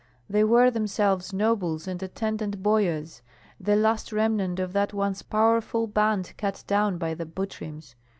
They were themselves nobles and attendant boyars, the last remnant of that once powerful band cut down by the Butryms.